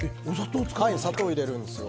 砂糖を入れるんですよ。